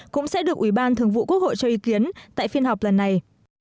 cũng sẽ được ủy ban thường vụ quốc hội cho ý kiến tại phiên họp lần này